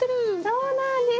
そうなんです。